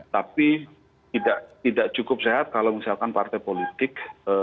tapi tidak cukup sehat kalau misalkan partai politik